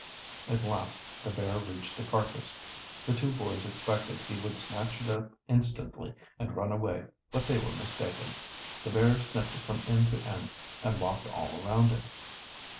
At last the bear reached the carcass. The two boys expected he would snatch it up instantly and run away, but they were mistaken. The bear sniffed it from end to end, and walked all around it.